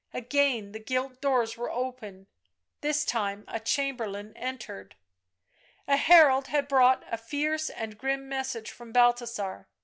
Again the gilt doors were opened, this time a chamberlain entered. A herald had brought a fierce and grim message from Balthasar.